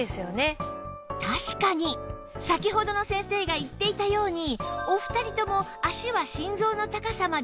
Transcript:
確かに先ほどの先生が言っていたようにお二人とも脚は心臓の高さまで上がっています